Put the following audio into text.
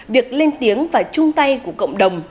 việc lên tiếng và chung tay của cộng đồng